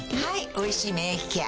「おいしい免疫ケア」